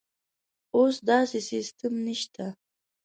اوس داسې سیستم نشته.